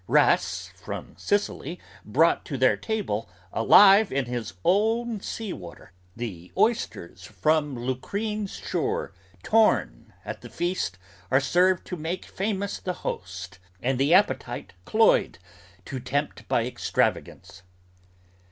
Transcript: Wrasse From Sicily brought to their table, alive in his own Sea water. The oysters from Lucrine's shore torn, at the feast Are served to make famous the host; and the appetite, cloyed, To tempt by extravagance.